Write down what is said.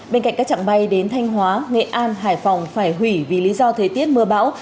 bên cạnh các trạng bay đến thanh hóa nghệ an hải phòng phải hủy vì lý do thời tiết mưa bão